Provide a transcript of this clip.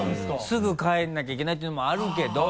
すぐ帰らなきゃいけないっていうのもあるけど。